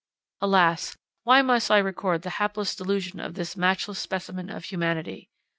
Alas! why must I record the hapless delusion of this matchless specimen of humanity?